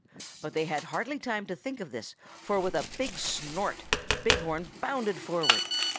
But they had hardly time to think of this, for with a snort Big Horn bounded forward.